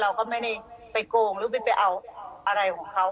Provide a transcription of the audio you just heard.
เราก็ไม่ได้ไปโกงหรือไปเอาอะไรของเขา